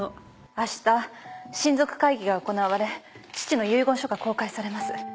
明日親族会議が行われ父の遺言書が公開されます。